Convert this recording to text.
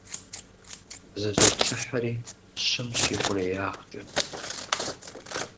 Зызоплъыхьри щымщ ихъуреягъкӏэ.